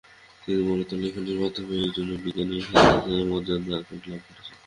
তিনি মূলত লেখনীর মাধ্যমেই একজন বিজ্ঞানী ও শাস্ত্রজ্ঞের মর্যাদা লাভ করেছেন।